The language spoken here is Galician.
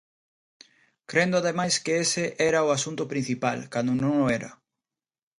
Crendo ademais que ese era o asunto principal, cando non o era.